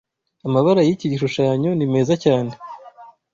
Amabara yiki gishushanyo ni meza cyane.